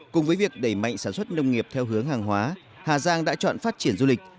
cùng với việc đẩy mạnh sản xuất nông nghiệp theo hướng hàng hóa hà giang đã chọn phát triển du lịch